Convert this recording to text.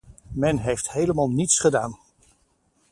Men heeft helemaal niets gedaan.